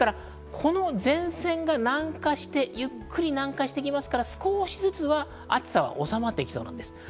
この前線が南下して、ゆっくり南下してきますから、少しずつ暑さはおさまってきそうなんです。